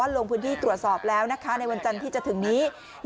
ลงพื้นที่ตรวจสอบแล้วนะคะในวันจันทร์ที่จะถึงนี้